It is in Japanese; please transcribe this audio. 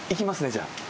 じゃあ。